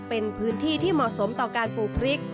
เป็นพื้นที่ที่เหมาะสมต่อการปลูกพริก